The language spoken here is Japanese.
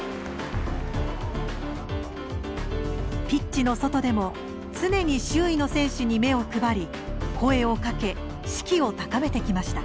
ピッチの外でも常に周囲の選手に目を配り声をかけ士気を高めてきました。